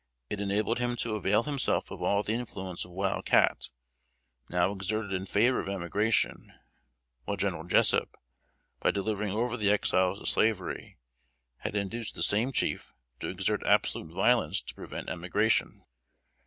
It enabled him to avail himself of all the influence of Wild Cat, now exerted in favor of emigration; while General Jessup, by delivering over the Exiles to slavery, had induced the same chief to exert absolute violence to prevent emigration.